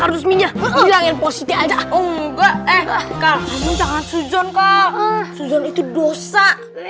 kardus minyak yang positif enggak enggak enggak jangan sujon kau itu dosa